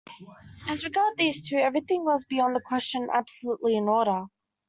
As regards these two, everything was beyond a question absolutely in order.